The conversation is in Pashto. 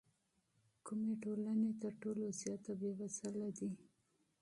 کومې ټولنې تر ټولو زیاتې بېوزله دي؟